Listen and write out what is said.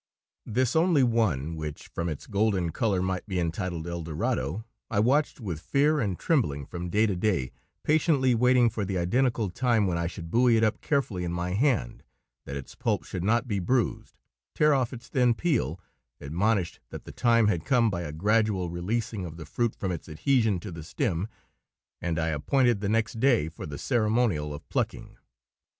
This only one, which, from its golden color, might be entitled El Dorado, I watched with fear and trembling from day to day, patiently waiting for the identical time when I should buoy it up carefully in my hand, that its pulp should not be bruised, tear off its thin peel, admonished that the time had come by a gradual releasing of the fruit from its adhesion to the stem, and I appointed the next day for the ceremonial of plucking.